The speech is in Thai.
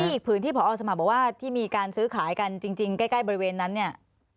อีกผืนที่พอสมัครบอกว่าที่มีการซื้อขายกันจริงใกล้บริเวณนั้นเนี่ย